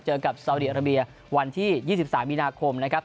เจอกับเสาเดียรัเบียวันที่๒๓วินาคมนะครับ